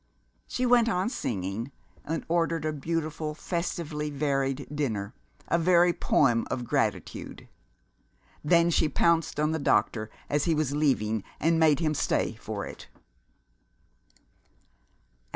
She went on singing, and ordered a beautiful, festively varied dinner, a very poem of gratitude. Then she pounced on the doctor as he was leaving and made him stay for it.